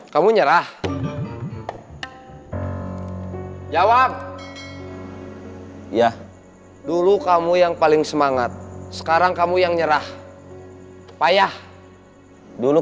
kamu nyerah jawab ya dulu kamu yang paling semangat sekarang kamu yang nyerah payah dulu